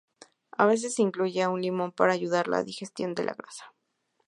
A veces se incluye un limón para ayudar la digestión de la grasa.